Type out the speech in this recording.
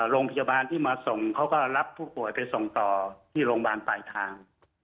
โรงพยาบาลที่มาส่งเขาก็รับผู้ป่วยไปส่งต่อที่โรงพยาบาลปลายทาง